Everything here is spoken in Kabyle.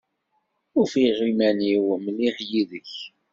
Ufiɣ uman-iw mliḥ yid-k.